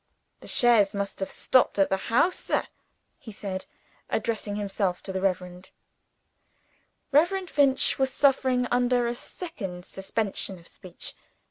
"The chaise must have stopped at the house, sir," he said, addressing himself to the rector. Reverend Finch was suffering under a second suspension of speech.